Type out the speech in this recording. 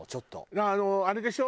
だからあのあれでしょ？